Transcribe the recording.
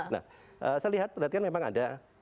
nah saya lihat perhatikan memang ada